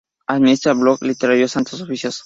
Administra el blog literario Santos Oficios.